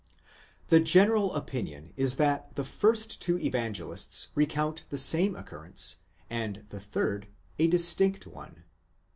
The general opinion is that the first two Evangelists recount the same occurrence .and the third, a distinct one.??